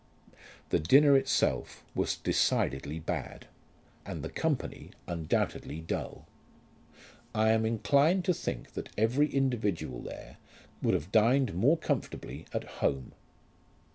The dinner itself was decidedly bad, and the company undoubtedly dull. I am inclined to think that every individual there would have dined more comfortably at home.